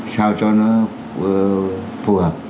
sao cho nó phù hợp